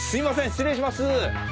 失礼します。